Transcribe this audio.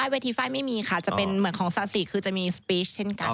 เวทีไฟล์ไม่มีค่ะจะเป็นเหมือนของซาสิคือจะมีสปีชเช่นกัน